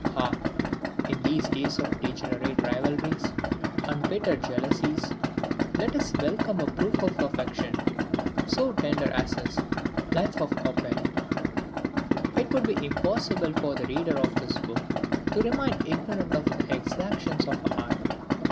Ah! in these days of degenerate rivalries and bitter jealousies, let us welcome a proof of affection so tender as his "Life of Chopin"! It would be impossible for the reader of this book to remain ignorant of the exactions of art.